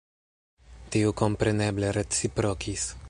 Tiu kompreneble reciprokis.”